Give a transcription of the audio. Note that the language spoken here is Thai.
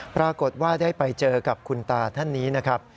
ปรากฏว่าได้ไปเจอกับคุณตาท่านนี้นะครับ